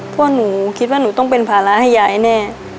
พวกหนูคิดว่าหนูต้องเป็นภาระให้ยายแน่